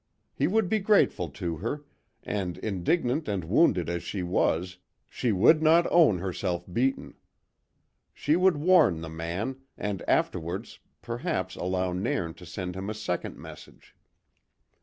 He would be grateful to her, and, indignant and wounded as she was, she would not own herself beaten. She would warn the man, and afterwards, perhaps allow Nairn to send him a second message.